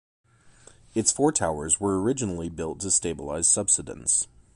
Its four towers were originally built to stabilise subsidence.